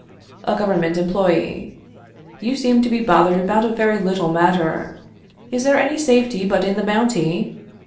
"A Government Employe. You seem to be bothered about a very little matter. Is there any safety but in the bounty?